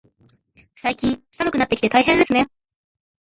最近、寒くなってきて大変ですね。